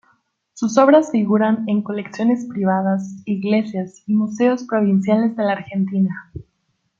Sus obras figuran en colecciones privadas, iglesias, y museos provinciales de la Argentina.